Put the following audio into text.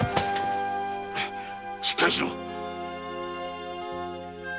しっかりしろ！